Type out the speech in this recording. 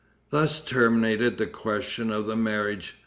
Thus terminated the question of the marriage.